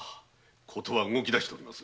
事は動き出しております。